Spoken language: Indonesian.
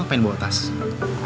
aku mau ke tempat futsal